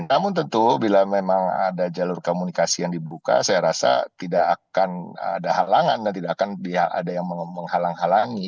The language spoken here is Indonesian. namun tentu bila memang ada jalur komunikasi yang dibuka saya rasa tidak akan ada halangan dan tidak akan ada yang menghalang halangi